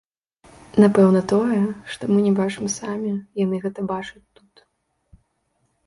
Напэўна, тое, што мы не бачым самі, яны гэта бачаць тут.